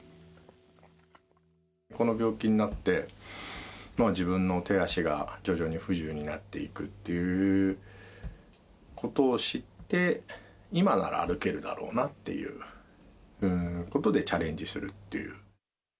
この病気になって、自分の手足が徐々に不自由になっていくということを知って、今なら歩けるだろうなっていうことでチャレンジするっていう。